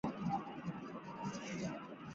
高拉马是巴西南大河州的一个市镇。